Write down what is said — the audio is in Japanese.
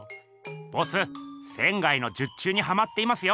ボス仙の術中にハマっていますよ！